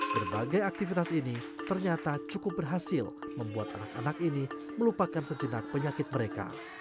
berbagai aktivitas ini ternyata cukup berhasil membuat anak anak ini melupakan sejenak penyakit mereka